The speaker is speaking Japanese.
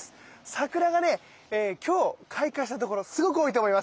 桜がね今日開花したところすごく多いと思います。